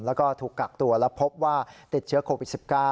แล้วก็ถูกกักตัวแล้วพบว่าติดเชื้อโควิด๑๙